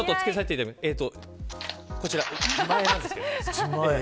こちら、自前なんですけど。